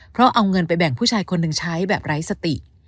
เพราะเอาเงินไปแบ่งผู้ชายคนหนึ่งใช้แบบไร้สติ